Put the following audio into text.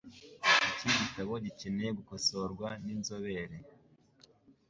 Iki gitabo gikeneye gukosorwa n’inzobere.